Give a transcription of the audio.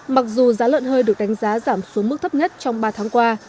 mặc dù giá lợn hơi được đánh giá giảm xuống mức thấp nhất trong ba tháng qua